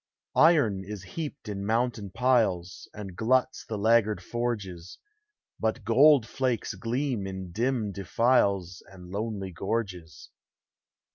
Iron is heaped in mountain piles, And gluts the laggard forges; HUMA V EXPERIENCE. 301 But gold Hakes gleam in dim defiles And lonely gorges.